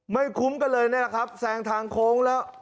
ไม่คุ้มกันเลยเนี่ยครับแสงทางโค้งแล้ว